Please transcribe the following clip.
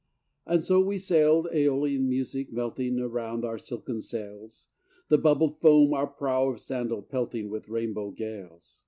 And so we sailed, æolian music melting Around our silken sails; The bubbled foam our prow of sandal pelting With rainbow gales.